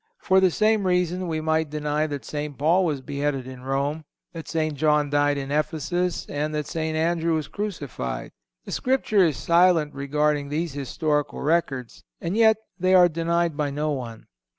For the same reason we might deny that St. Paul was beheaded in Rome; that St. John died in Ephesus, and that St. Andrew was crucified. The Scripture is silent regarding these historical records, and yet they are denied by no one.